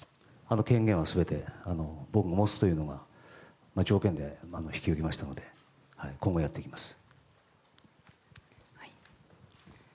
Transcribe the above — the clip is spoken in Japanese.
権限は全て僕が持つというのが条件で引き受けましたので今後、やっていきます。